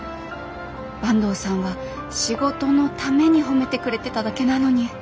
坂東さんは仕事のために褒めてくれてただけなのに。